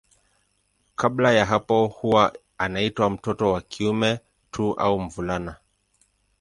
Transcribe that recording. Kabla ya hapo huwa anaitwa mtoto wa kiume tu au mvulana.